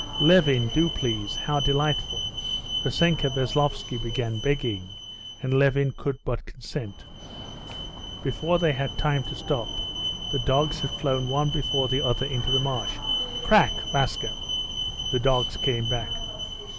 "Levin, do, please! how delightful!" Vassenka Veslovsky began begging, and Levin could but consent. Before they had time to stop, the dogs had flown one before the other into the marsh. "Krak! Laska!..." The dogs came back.